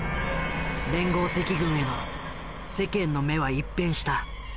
連合赤軍への世間の目は一変した。